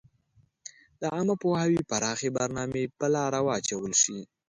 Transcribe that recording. د عامه پوهاوي پراخي برنامي په لاره واچول شي.